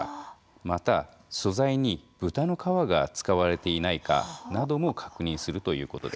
また素材に豚の革が使われていないかなども確認するということです。